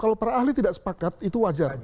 kalau para ahli tidak sepakat itu wajar